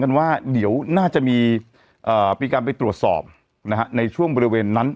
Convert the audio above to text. กันว่าเดี๋ยวน่าจะมีการไปตรวจสอบนะฮะในช่วงบริเวณนั้น